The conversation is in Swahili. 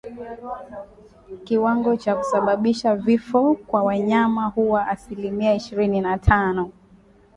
Kiwango cha kusababisha vifo kwa wanyama huwa asilimia ishirini na tano